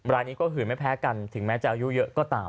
รายนี้ก็หื่นไม่แพ้กันถึงแม้จะอายุเยอะก็ตาม